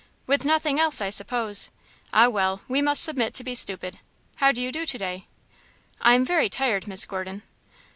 "With nothing else, I suppose! Ah, well, we must submit to be stupid. How do you do today?" "I am very tired, Miss Gordon."